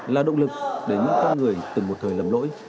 là động lực để những con người từng một thời lầm lỗi